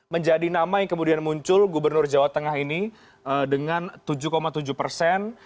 menjadi nama yang kemudian muncul gubernur jawa tengah ini dengan tujuh tujuh persen